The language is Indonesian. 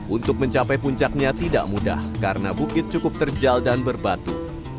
untuk mencapai puncaknya tidak mudah karena bukit cukup terjal dan berbatu